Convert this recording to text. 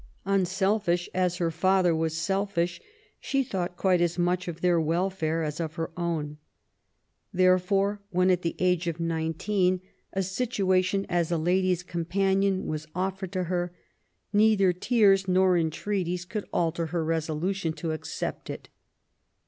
Unselfish as her father was selfish, she thought quite as much of their welfare as of her own. Therefore when, at the age of nineteen, a situation as CHILDHOOD AND EABLT YOUTH. 19 lady's companion was offered to her^ neither tears nor entreaties could alter her resolution to accept it.